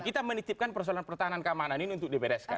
kita menitipkan persoalan pertahanan keamanan ini untuk dibereskan